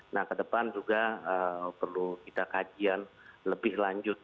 nah ke depan juga perlu kita kajian lebih lanjut